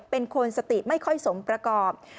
เป็นคนสติไม่ค่อยสมประกอบ